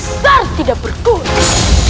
dasar tidak berguna